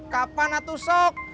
kapan atuh sok